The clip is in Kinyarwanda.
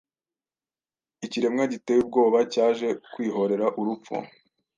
ikiremwa giteye ubwoba cyaje kwihorera urupfu